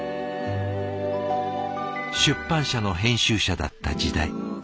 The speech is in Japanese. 出版社の編集者だった時代。